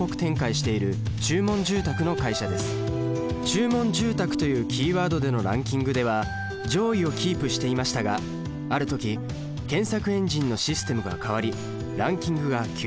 「注文住宅」というキーワードでのランキングでは上位をキープしていましたがある時検索エンジンのシステムが変わりランキングが急落してしまいました。